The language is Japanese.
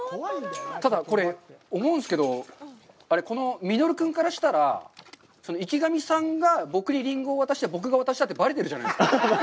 ただ、これ、思うんですけど、このミノル君からしたら、池上さんが僕にリンゴを渡して、僕が渡したってばれてるじゃないですか。